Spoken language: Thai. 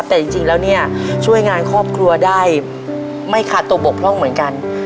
แต่จริงแล้วเนี่ยช่วยงานครอบครัวได้ไม่ขาดตัวบกพร่องเหมือนกัน